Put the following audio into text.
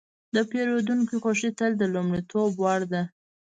د پیرودونکي خوښي تل د لومړیتوب وړ ده.